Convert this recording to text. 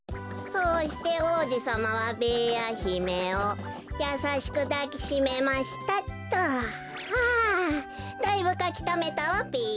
「そうして王子様はべーやひめをやさしくだきしめました」っと。はあだいぶかきためたわべ。